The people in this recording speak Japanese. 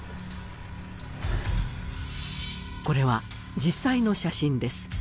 これは実際の写真です